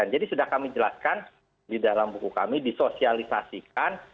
jadi sudah kami jelaskan di dalam buku kami disosialisasikan